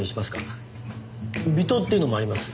微糖っていうのもあります。